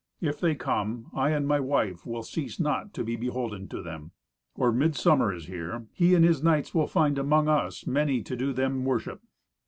If they come, I and my wife will cease not to be beholden to them. Or midsummer is here, he and his knights will find among us many to do them worship.